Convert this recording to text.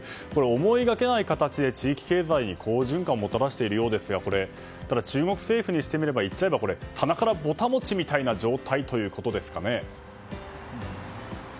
思いがけない形で地域経済に好循環をもたらしているようですがこれ、ただ中国政府にしてみればいってしまえば棚からぼた餅みたいな状態ということですかね。